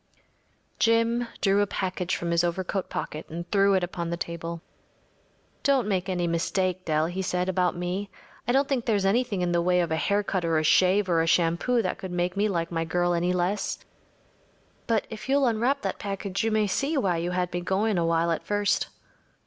Jim drew a package from his overcoat pocket and threw it upon the table. “Don’t make any mistake, Dell,‚ÄĚ he said, “about me. I don’t think there’s anything in the way of a haircut or a shave or a shampoo that could make me like my girl any less. But if you’ll unwrap that package you may see why you had me going a while at first.